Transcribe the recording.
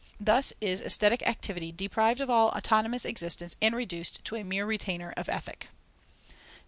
Thus is aesthetic activity deprived of all autonomous existence and reduced to a mere retainer of Ethic.